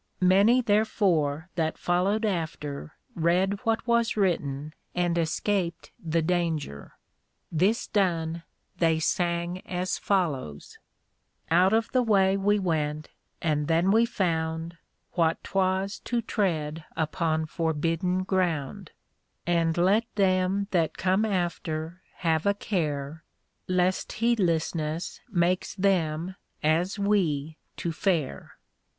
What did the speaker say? _ Many therefore that followed after read what was written, and escaped the danger. This done, they sang as follows: Out of the way we went, and then we found What 'twas to tread upon forbidden ground; And let them that come after have a care, Lest heedlessness makes them, as we, to fare.